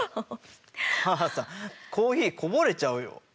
母さんコーヒーこぼれちゃうよ。